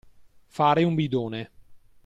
Fare un bidone.